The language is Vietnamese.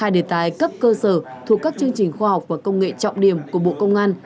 một mươi đề tài cấp cơ sở thuộc các chương trình khoa học và công nghệ trọng điểm của bộ công an